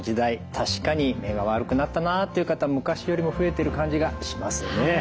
確かに目が悪くなったなっていう方昔よりも増えてる感じがしますよね。